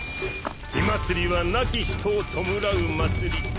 火祭りは亡き人を弔う祭り。